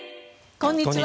こんにちは。